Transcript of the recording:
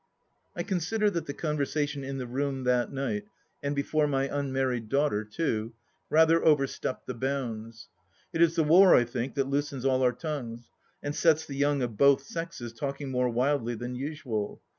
I consider that the conversation in the room that night, and before my unmarried daughter too, rather overstepped the bounds. ... It is the war, I think, that loosens all our tongues, and sets the young of iDoth sexes talking more wildly than usual.